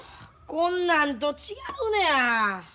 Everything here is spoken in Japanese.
こんなんと違うのや！